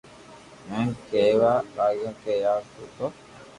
ھين ڪي ڪيوا لاگيو ڪي يار تو تو